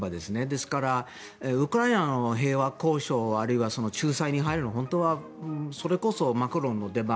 ですから、ウクライナの平和交渉あるいは仲裁に入るのはそれこそマクロンの出番